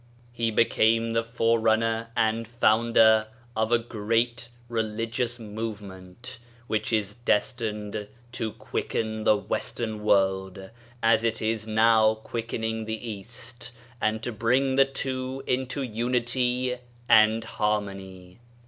He became the forerunner and founder of a great religious movement, which is destined to quicken the Western world, as it is now quick ening the East, and to bring the two into unity and harmony.